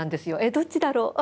どっちだろう？